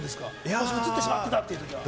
もし映ってしまってたっていうときは。